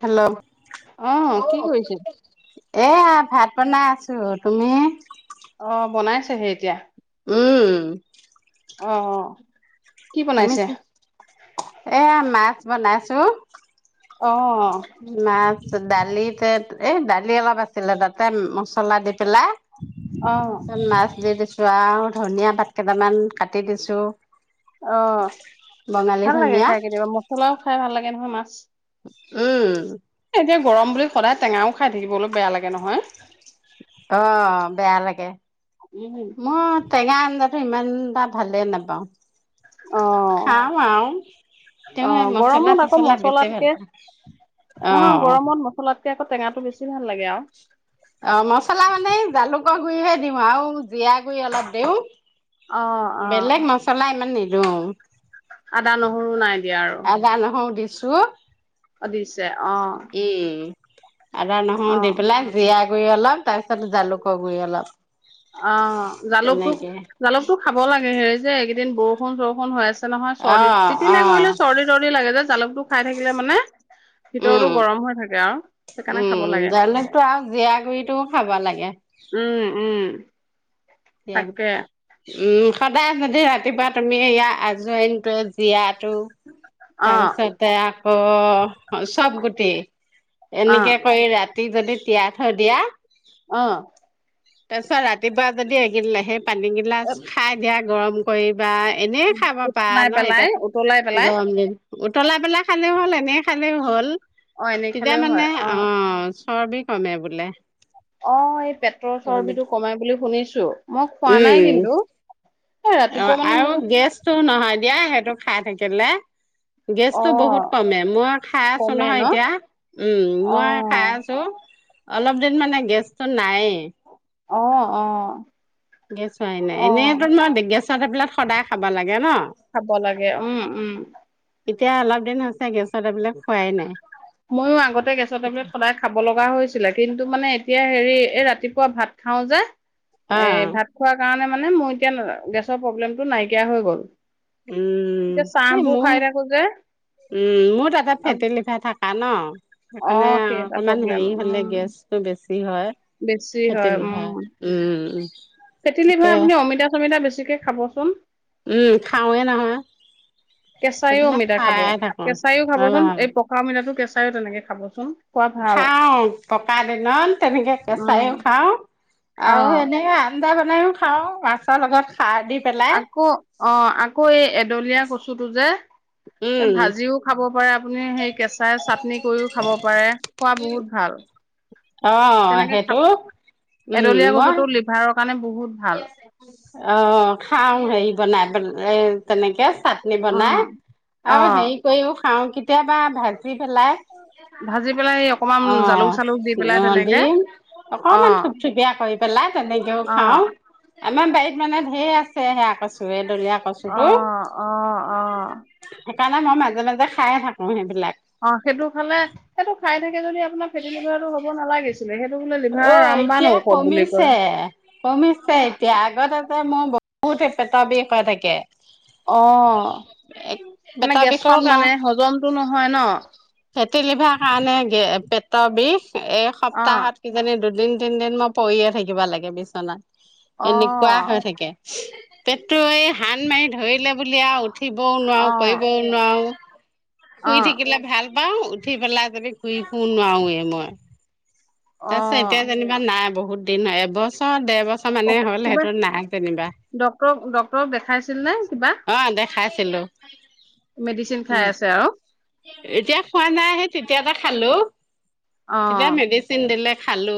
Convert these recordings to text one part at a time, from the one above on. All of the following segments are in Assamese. হেল্ল' অহ কি কৰিছে? [unintelligible] এয়া ভাত বনাই আছো তুমি। অ বনাইছেহে এতিয়া। উম। অ অ। তুমি কি, এয়া মাছ বনাইছো। অঁ। মাছ দালিতে এই দালি অলপ আছিলে তাতে মছলা দি পেলাই, অহ তাৰপিছত মাছ দি দিছো আও ধনিয়া পাত কেইটামান কাটি দিছোঁ। অ, ভাল লাগে খায় কেতিয়াবা মছলাও খায় ভাল লাগে নহয় মাছ। উম এতিয়া গৰম বুলি সদায় টেঙাও খায় থাকিবলৈ বেয়া লাগে নহয়। অ বেয়া লাগে, উম মই টেঙা আঞ্জাত টো ইমান এটা ভালে নাপাওঁ, অহ খাওঁ আও। তেওঁ এ অহ গৰমত আকৌ মছলা-তছলা বেছি ভাল মছলাতকে পায়। নহয় অ গৰমত মছলাতকে আকৌ টেঙাটো বেছি ভাল লাগে আও। অ মছলা মানে এই জালুকৰ গুৰিহে দিওঁ আৰু জিৰা গুৰি অলপ দিওঁ। অহ অহ বেলেগ মচলা ইমান নিদিওঁ। আদা নহৰু নাই দিয়া আৰু চু অদিছে অ আদা নহৰু অহ দি পেলাই জিৰা গুড়ি অলপ তাৰপিছত জালুকৰ গুৰি অলপ। অ জালুকটো তেনেকে জালুকটো খাব লাগে হেৰি যে এইকেইদিন বৰষুণ চৰষুণ হৈ আছে ছে নহয় অ চৰ্দিত অ তিলে কৰিলেো চৰ্দি চৰ্দি লাগে যে জালুটো খাই থাকিলে মানে ভিতৰতো উম গৰম হৈ থাকে আৰু সেইকাৰণে খাব উম লাগে জালুকটো আৰু জীয়া গুৰিটোও খাব লাগে। উম-উম। সেয়াই উম সদায় যদি ৰাতিপুৱা তুমি ইয়াৰ আজৰিনতটো জীয়াটো অ', তাৰপিছতে আকৌ চব গোটেই। অ', এনেকে কৰি ৰাতি যদি তিয়াই থৈ দিয়া আহ তাৰ পিছত ৰাতিপুৱা যদি এইগিলে সেই পানী গিলা খাই দিয়া গৰম কৰি বা এনেই খাব পাৰা উতলাই ন পেলাই উতলাই এতিয়া পেলাই গৰম দিন উতলা পেলাই খালে হ'ল এনে খালেই হ'ল অ', এনেই তেতিয়া খালেও হয় মানে অ চৰবি কমে বোলে অ এই পেটৰ চৰ্বি চৰ্বিটো কমাই বুলি শুনিছো মই খোৱা নাই উম কিন্তু এ অ ৰাতিপুৱা মানে আৰু মোৰ গেছটো নহয় দিয়া সেইটো খাই থাকিলে গেছটো বহুত অ', কমে মই খাই আছো কমে ন নহয় এতিয়া উম মই খাই অ', আছো অলপ দিন মানে গেছতটো নাই আহ আহ গেছ হয়াই নাই এনে তোমাৰ গেছৰ টেবলেত সদায় খাব লাগে ন খাব লাগে উম, উম। এতিয়া অলপ দিন হৈছে গেছত টেবলেট খোৱাই নাই ময়ো আগতে গেছৰ টেবলেত সদায় খাব লগা হৈছ কিন্তু মানে এতিয়া হেৰি এই ৰাতিপুৱা ভাত খাও যে এ অ', ভাত খোৱাৰ কাৰণে মানে মোৰ এতিয়া গেছৰ প্ৰব্লেমটো নাইকিয়া হৈ গ'ল উম এতিয়া স চাহবোৰ মোৰ খাই থাকো যে উম মোৰ তাতে ফেটেলিফা থাকে আন' অ সেইকাৰণে সেই এটা অকমান প্ৰব্লেম হেৰি হ'লে উম গেছটো বেছি হয়। বেছি ফেতি লিভাৰ উম। ফেতি তাকে লিভাৰ আপুনি অমিতা চমিতা বেছিকে খাবচোন উম খাওৱে নহয় কেঁচাইও এইবিলাক অমিতা খাব খাই থাকো। কেঁচাইও খাবচোন অ', এই পকা অমিতাটো কেঁচাইও তেনেকে খাবচোন খোৱা ভাল খাও ককা দিনত তেনেকে উম কেঁচাইও খাও অ আৰু এনে আঞ্জা বনাইও খাও মাছৰ লগত খাৰ দি পেলাই। আকৌ অ আকৌ এই এডলীয়া কচুটো যে উম, ভাজিও খাব পাৰে আপুনি সেই কেঁচাই চাটনি কৰিও খাব পাৰে। খোৱা বহুত ভাল। অ তেনেকে খা সেইটো উম এডলীয়া মই কচুটো লিভাৰৰ কাৰণে বহুত ভাল অ খাও হেৰি বনাই এ তেনেকে চাটনি অ। বনাই অ আৰু হেৰি কৰিও খাওঁ কেতিয়াবা ভাজি পেলাই ভাজি পেলাই এই অকমান অ জালুক চালুক দি পেলাই আহ তেনেকে দিম অ অকমান থুপথুপিয় কৰি পেলাই তেনেকেও অ খাও আমাৰ বাৰীত মানে ধেৰ আছে সেয়া আ ক চোৰে দলীয়া অ কচুটো, অ অ সেইকাৰণে মই মাজে মাজে খাইয়ে থাকো সেইবিলাক। অ', সেইটো খালে, সেইটো খাই থাকে যদি আপোনাৰ ফেটি লিভাৰটো হব নালাগিছিল। অ', এতিয়া কয় কমিছে, কমিছে এতিয়া আগতে যে মই ব বুতে পেটৰ বিষ কৈ থাকে। অ', মানে পেটৰ গেছৰ বিষত মই কাৰণে হজমটো নহয় ন'। ফেটি লিভাৰ কাৰণে গে পেটৰ বিষ এই অ সপ্তাহত কিজানি দু দিন তিনদিন মই পৰিয়ে থাকিব লাগে বিচনাত অ এনেকুৱা হৈ থাকে। পেটটো এই হান মাৰি ধৰিলে বুলি আৰু উঠিবও নোৱাৰো অ কৰিবও নোৱাৰো। শুই থাকিলে ভাল পাও, উঠি পেলাই যদি শুই শু নোৱাৰোৱে মই। অ তাৰ পিছত এতিয়া অ যেনিবা নাই। বহুত দিন এবছৰ এবছৰ, ডেৰ বছৰ অ মানে হ'ল কিবা সেইটো নাই যেনিবা। ডক্তৰক, ডক্তৰক দেখাইছিল নে কিবা ছিলো। মেডিচিন খাই আছে আৰু এতিয়া খোৱা নাই। সেই তেতিয়াতে খালো তেতিয়া অ'। মেডিচিন দিলে খালো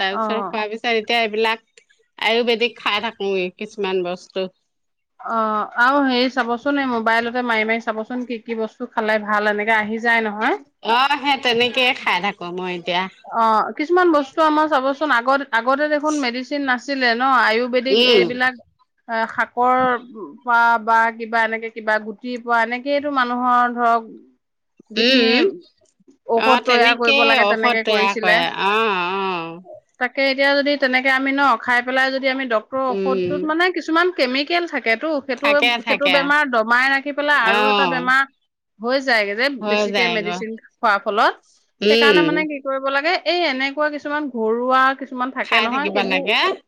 তাৰ অ পিছত খোৱা বিচাৰি এতিয়া এইবিলাক আয়ুৰ্বেদিক খাই থাকো কিছুমান বস্তু। যে মাৰি, মাৰি চাবচোন কি কি বস্তু খালে ভাল এনেকে আহি যায় নহয় অ' সেই তেনেকে খাই থাকো মই। এতিয়া অ' কিছুমান বস্তু আমাৰ চাবচোন আগত আগতে দেখোন মেডিচিন নাছিলে। ন' আয়ুৰ্বেদিক উম এইবিলাক এ শাকৰ পৰা বা কিবা এনেকে কিবা গুটিৰ পৰা এনেকেইটো মানুহৰ ধৰক যিখিনি উম ঔষধ তৈয়াৰ কৰিব লাগে তেনেকে কলা কৰিছিলে কয়া অ অ তাকে এতিয়া যদি তেনেকে আমি ন খাই পেলাই যদি আমি ডক্তৰৰ উম ঔষধটোত মানে কিছুমান কেমিকেল থাকে সেইটো সেইটো থাকে সেইটো থাকে বেমাৰ দমাই ৰাখি পেলাই অ আৰু এটা বেমাৰ হৈ যাইগে যে হৈ বেছিকে যায়গৈ মেডিচিন খোৱাৰ ফলত উম সেইকাৰণে মানে কি কৰিব লাগে এই এনেকুৱা কিছুমান ঘৰুৱা কিছুমান থাকে খাই নহয় থাকিব সেইবোৰ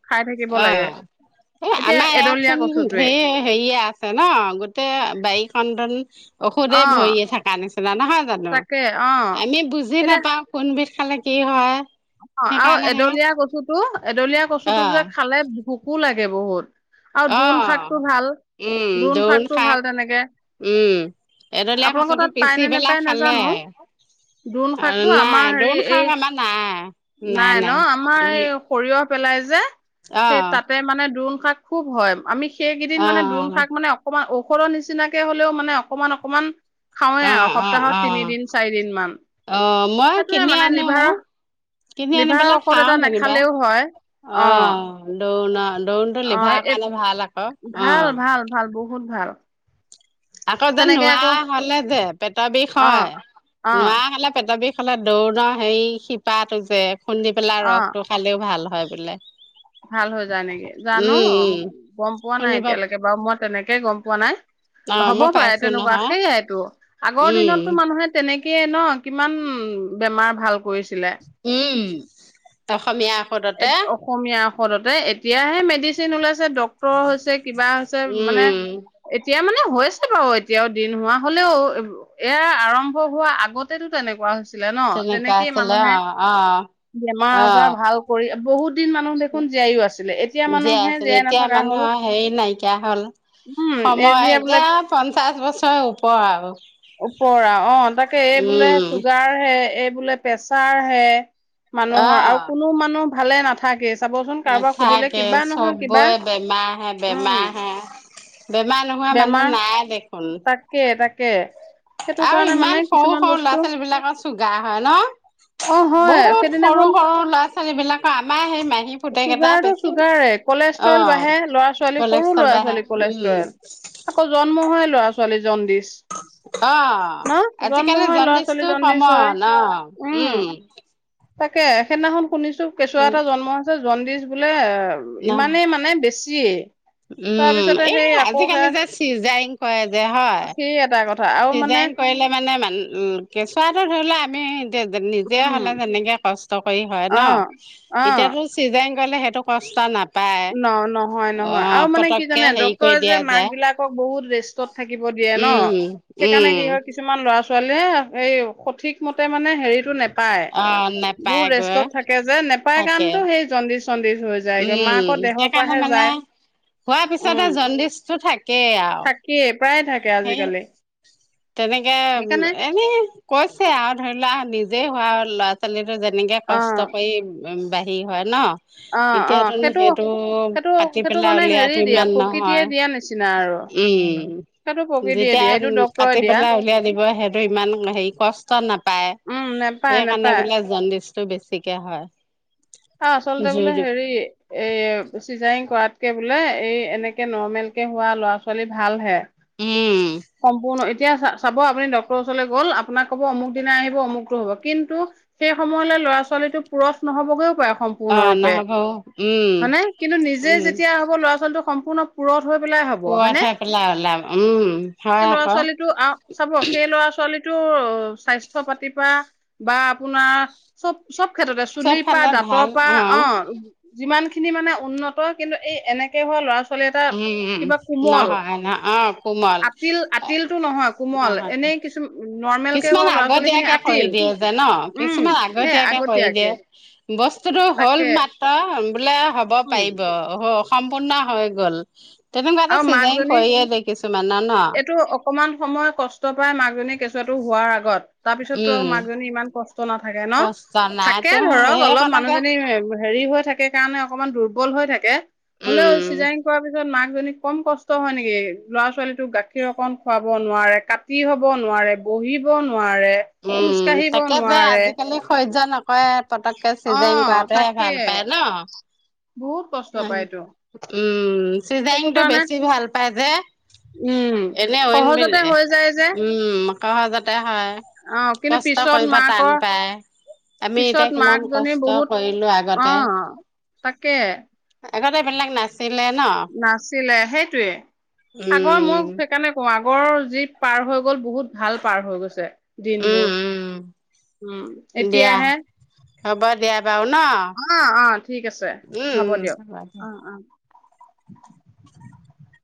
খাই থাকিব লাগে। এই এতিয়া আমাৰ ইয়াত এডলীয়া চোন কচুটোৱে হেৰি হেৰিয়ে আছে ন গোটেই বাৰী খন দুন ঔষধে অ ভৰি থকাৰ নিচিনা নহয় জানো তাকে অ আমি বুজি এতিয়া নাপাও কোনবিধ খালে কি হয় অ আও সেইকাৰণেহে এডলীয়া কচুটো এডলীয়া কচুটো যে অ', খালে ভোকো লাগে বহুত আও দোন শাকটো অ', ভাল উম, দোন দোৰোণ শাকটো শাক ভাল তেনেকে উম, এডলীয়া আপোনালোকৰ কচুটো তাত পাই পিচি নে পেলাই নেপায় খালে নেজানো দোন আৰু শাকটো নাই আমাৰ হেৰি দোৰোণ শাক এই আমাৰ নাই, নাই ন আমাৰ এই সৰিয় সৰিয়হ পেলাই যে সেই অ', তাতে মানে দোণ শাক খুব হয় আমি। সেইকেইদিন মানে দোন অ', শাক মানে অকণমান ঔষধৰ নিচিনাকে হলেও মানে অকমান অকণমান খাওঁৱে অ', আও অ', অ', সপ্তাহত অ', তিনিদিন-চাৰিদিন মান। অ', মই সেইটোয়ে কিনি মানে আনো লিভাৰৰ কিনি আনি লিভাৰৰ পেলাই ঔষধ খাওঁ এটা যেনিবা নাখালেও হয় অ দোন অ দোনটো অ লিভাৰৰ এই কাৰণে ভাল শাক ভাল ভাল ভাল বহুত ভাল। আকৌ যে তেনেকে নোৱা আকৌ হলে যে পেটৰ বিষ অ হয় অ নোৱা হলে পেটৰ বিষ এইফালে দোন হেৰি শিপাটো যে খুন্দি পেলাই অ ৰসটো খালেও ভাল হয় বোলে। ভাল হৈ যায় নেকি জানো উম উম গম পোৱা নাই শুনিব এতিয়ালৈকে বাৰু মই তেনেক কে গম পোৱা নাই, অ হ'ব মই পাৰে পাইছো তেনেকুৱা নহয় সেইয়াইতো আগৰ উম দিনতটো মানুহে তেনে এনেকে ন কিমান বেমাৰ ভাল কৰিছিলে উম, অসমীয়া। এ ঔষধতে অসমীয়া [unintelligible] এতিয়াহে মেডিচিন ওলাইছে। [unintelligible] ডক্তৰ হৈছে কিবা হৈছে উম মানে উম এতিয়া মানে হৈছে বাৰু এতিয়াও দিন হোৱা হলেও এয়া আৰম্ভ হোৱা আগতেতো তেনেকুৱা হৈছে। ছিলে ন তেনেকুৱা তেনেকেই আছিলে মানুহে অ অ বেমাৰ অ আজাৰ ভাল কৰি বহুত দিন মানুহ দেখোন জীয়াইও আছে। জীয়াই আছিলে এতিয়া মানুহৰ হেৰি নাইকিয়া হ'ল। উম, সময় বোলে এতিয়া পঞ্চাশ বছৰ ওপৰ আৰু। ওপৰ আৰু অ' তাকে এই বোলে উম চুগাৰ হে, এই বোলে প্ৰেচাৰ হে। মানুহৰ আৰু কোনো মানুহ ভালে নাথাকে। নথাকে চবৰে বেমাৰ হে উম, বেমাৰ হে। বেমাৰ নোহোৱা মানুহ বেমাৰ নাই দেখোন। তাকে তাকে। সেইটো আৰু কাৰণে মানে ইমান সৰু কিছুমান সৰু বস্তু ল'ৰা-ছোৱালী বিলাকৰ চুগা হয় ন? অ', হয় বহুত সৰু সেইদিনাখন সৰু ল'ৰা-ছোৱালীৰ বিলাকৰ, আমাৰ সেই মাহী পুতেক‌ এটা চুগাৰটো বেছি চুগাৰে অ কলেষ্ট্ৰল বাঢ়ে ল'ৰা-ছোৱালী সৰু কলেষ্টৰ বাঢ়ে ল'ৰা-ছোৱালীৰ উম কলেষ্ট্ৰল আকৌ জন্ম হয় ল'ৰা-ছোৱালী জণ্ডিছ। অ ন জন্ম আজিকালি হয় ল'ৰা-ছোৱালী জণ্ডিচটো জডিছ হয় কমন অ উম। তাকে সেইদিনাখন শুনিছোঁ কেঁচুৱা এটা জন্ম আছে জণ্ডিছ বোলে আৰু উম ইমানেই মানে বেছিয়ে। উম তাৰপিছতে এই সেই আকৌ আজিকালি সেয়া যে চিজাৰিং কৰে যে হয়। সেই এটা কথা আৰু মানে চিজাৰিন কৰিলে মানে মান কেঁচুৱাটো ধৰি লোৱা আমি নিজে উম হ'লে যেনেকে কষ্ট কৰি হয় ন অ অ এতিয়াতো চিজাৰিন গ'লে সেইটো কষ্ট নাপায়। ন নহয়। অ নহয় আৰু মানে কি পতককে জানে হেৰি কৰি ডাক্তৰে যে দিয়া মাক যায় বিলাকক বহুত ৰেষ্টত থাকিব দিয়ে ন। উম সেইকাৰণে উম কি হয় কিছুমান ল'ৰা-ছোৱালীয়ে এই সঠিক মতে মানে হেৰিটো নেপ পায় অ বহুত নেপায়গৈ ৰেষ্টত থাকে যে নেপায় থাকে কাৰণেতো সেই জণ্ডিচ-চডিছ হৈ যায়গৈ মাক উ সেইকাৰণে মানে হোৱাৰ উম পিছতহে জণ্ডিচটো থাকেই আৰু। থাকেই প্ৰায় থাকে সেই আজিকালি। তেনেকে সেইকাৰণে এনে কৈছে আৰু ধৰি লোৱা নিজে হোৱা ল'ৰা-ছোৱালী যেনেকে অ কষ্ট কৰি বাহিৰ হয় ন অ অ এতিয়াতোন সেইটো সেইটো পাতি সেইটো পেলাই মানে হেৰি উলিয়াটো দিয়া ইমান প্ৰকৃতিয়ে নহয়। দিয়া নিচিনা আৰু উম সেইটো প্ৰকৃতিয়ে যেতিয়া দিয়ে এইটো ডক্তৰে কাটি দিয়া পেলাই উলিয়াই দিব সেইটো ইমান হেৰি কষ্ট নাপায়। উম নেপায় সেইকাৰণে নেপায় বোলে জণ্ডিচটো বেছিকে হয়। হ আচলতে জোৰ বোলে দি হেৰি এ চিজাৰিং কৰাতকে বোলে এই এনেকে নৰ্মেল কে হোৱা ল'ৰা-ছোৱালী ভাল হে। উম সম্পূৰ্ণ এত এতিয়া চাব আপুনি ডক্টৰৰ ওচৰলৈ গ'ল আপোনাক ক'ব অমুক দিনা আহিব অমুকটো হ'ব কিন্তু সেই সময়লৈ ল'ৰা-ছোৱালীতো পুৰঠ নহ'ব গৈ [unintelligible] অ সম্পূৰ্ণৰূপে নহ'ব উম হয়নে কিন্তু নিজে উম যেতিয়া হ'ব ল'ৰা-ছোৱালীটো সম্পূৰ্ণ পুৰঠ হৈ পেলাই হব হয় পুৱা নে? থৈ পেলাই ওলাম উম সেই হয় আকৌ ল'ৰা-ছোৱালীটো চাব সেই ল'ৰা-ছোৱালী টো স্বাস্থ্য পাতি পৰা বা আপোনাৰ চব-চব ক্ষেত্ৰতে চব চুলিৰ পা ফালে দাঁতৰ ভাল পা অ, যিমান খিনি মানে উন্নত কিন্তু এই এনেকে হোৱা ল'ৰা- ছোৱা উম, নহয় ন' অ, কোমল আতিল এ আতিলটো নহয় কোমল নহয়। এনেই কিছু নৰ্মেল কে কিছুমান হোৱা ল'ৰা ছোৱালী খিনি আগতিয়াকে কৰি আতিল দিয়ে যে ন' উম কিছুমান সেই আগতীয়াকে কৰি দিয়ে। বস্তুটো হ'ল তাকে মাত্ৰ বোলে হ'ব উম পাৰিব সম্পূৰ্ণ হৈ গ'ল। তেনেকুৱা এটা আৰু চিজাৰিং মাকজনী কৰিয়ে দিয়ে কিছুমানৰ ন এইটো অকমান সময় কষ্ট পাই মাকজনীক কেঁচোৱাতো হোৱাৰ আগত তাৰপিছততো উম আৰু মাকজনী ইমান কষ্ট নাথাকে কষ্ট নাই ন'থাকে তেওঁ ধৰক অলপ সেইকণকে মানুহজনী হেৰি হৈ থাকে কাৰণে অকণমান দুৰ্বল হৈ থাকে হ'লেও উম চিজাৰিং কৰাৰ পিছত মাকজনী কম কষ্ট হয় নেকি লৰা-ছোৱালী তোক গাখীৰ অকন খুৱাব নোৱাৰে, কাটি হব নোৱাৰে, বহিব নোৱা উম, তাকে যে আজিকালি সহ্য নকৰে পতককে অ চিজাইং কৰাটোহে তাকে ভাল পায় ন? বহুত কষ্ট পায়টো। উম, চিজাইং টো বেছি ভাল পাই যে। উম এনেই অইন বেলি সহজতে হৈ যায় যে উম, সহজতে হয়। অ কিন্তু কষ্ট পিছত কৰিব' টান মাকৰ পাই। আমি পিছত এতিয়া কিমান মাকজনী কষ্ট বহুত কৰিলো অ আগতে। তাকে। আগতে এইবিলাক নাছ নাছিলে, সেইটোয়ে, আগৰ উম মই সেইকাৰণে কওঁ আগ আগৰ যি পাৰ দিনবোৰ উম উম দিয়া হ'ব দিয়া বাৰু ন অ', অ', ঠিক আছে, উম হ'ব উম দিয়ক, দিয়া অ', অ। [inaudible]